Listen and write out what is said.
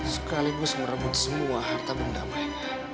sekaligus merebut semua harta pendamanya